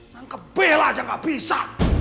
nangkep bella aja gak bisa